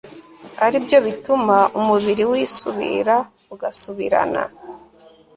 ari byo bituma umubiri wisubira ugasubirana